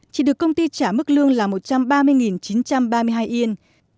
chỉ được công ty trả mức lương là một trăm ba mươi chín trăm ba mươi hai yên